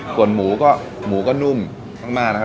ส่วนหมูก็นุ่มมากนะครับ